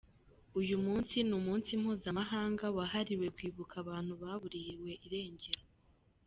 Uyu munsi ni umunsi mpuzamahanga wahariwe kwibuka abantu baburiwe irengero.